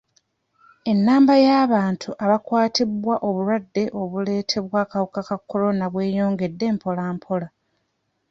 Ennamba y'abantu abakwatibwa obulwadde obuleetebwa akawuka ka kolona yeeyongedde mpola mpola.